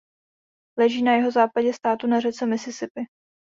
Leží na jihozápadě státu na řece Mississippi.